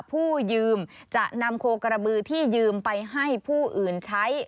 ผู้ยืมจะนำโคกระบือที่ยืมไปให้ผู้อื่นใช้